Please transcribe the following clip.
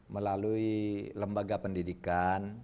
melalui lembaga pendidikan